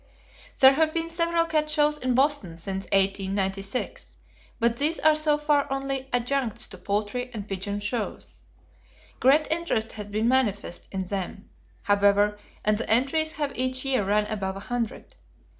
There have been several cat shows in Boston since 1896, but these are so far only adjuncts to poultry and pigeon shows. Great interest has been manifest in them, however, and the entries have each year run above a hundred.